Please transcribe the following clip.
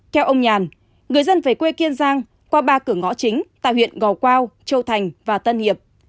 theo ông nhàn người dân về quê kiên giang qua ba cửa ngõ chính tại huyện gò quao châu thành và tân hiệp